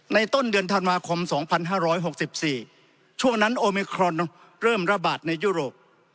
ต้นเดือนธันวาคม๒๕๖๔ช่วงนั้นโอมิครอนเริ่มระบาดในยุโรป